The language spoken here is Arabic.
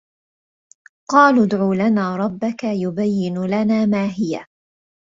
قَالُوا ادْعُ لَنَا رَبَّكَ يُبَيِّنْ لَنَا مَا هِيَ